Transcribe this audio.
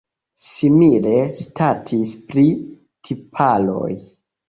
Simile statis pri tiparoj.